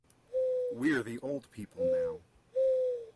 We're the old people now.